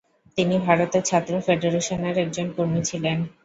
তিনি ভারতের ছাত্র ফেডারেশন-এর একজন কর্মী ছিলেন।